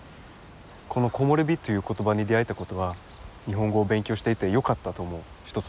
この「木漏れ日」という言葉に出会えたことは日本語を勉強していてよかったと思う一つのことです。